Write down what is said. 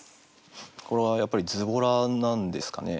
これはやっぱりズボラなんですかね。